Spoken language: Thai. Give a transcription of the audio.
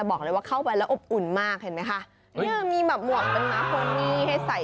โอเคค่ะ